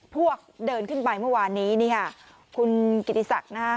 พวกเดินขึ้นไปเมื่อวานนี้นี่ค่ะคุณกิติศักดิ์นะฮะ